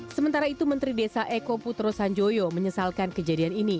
sementara itu menteri desa eko putro sanjoyo menyesalkan kejadian ini